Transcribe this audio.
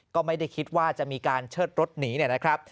ก็ไม่ได้คิดว่าจะมีการเชิดรถหนีเนี่ยนะครับ